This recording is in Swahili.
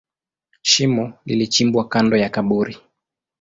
Shimo lilichimbwa kando ya kaburi.